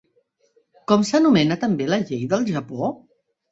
Com s'anomena també la llei del Japó?